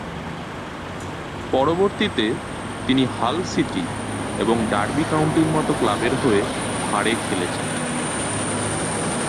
পরবর্তীতে তিনি Hull City এবং ডার্বি কাউন্টির মতো ক্লাবের হয়ে ধারে খেলেছেন।